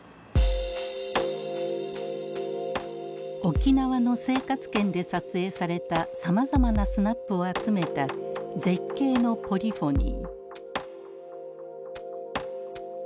沖縄の生活圏で撮影されたさまざまなスナップを集めた「絶景のポリフォニー」。